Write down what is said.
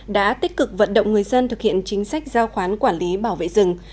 đã tích cực vận động người dân thực hiện chính sách giao khoán quản lý bảo vệ rừng